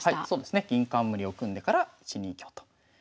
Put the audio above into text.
そうですね銀冠を組んでから１二香と。